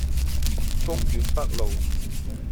公園北路